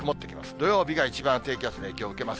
土曜日が一番低気圧の影響を受けます。